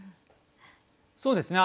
そうですね